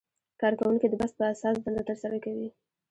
کارکوونکي د بست په اساس دنده ترسره کوي.